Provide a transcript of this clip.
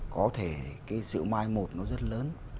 có thể cái sự mai một nó rất lớn